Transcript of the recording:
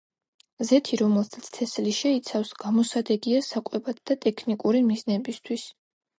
ზეთი, რომელსაც თესლი შეიცავს, გამოსადეგია საკვებად და ტექნიკური მიზნებისათვის.